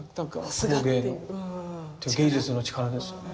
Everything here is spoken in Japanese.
工芸に芸術の力ですよね。